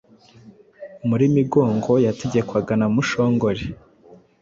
Hari Migongo yategekwaga na Mushongore